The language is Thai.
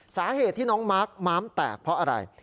สาเหตุที่น้องมาร์คม้ามแตกเพราะอะไร